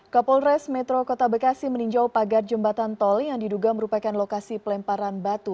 kapolres metro kota bekasi meninjau pagar jembatan tol yang diduga merupakan lokasi pelemparan batu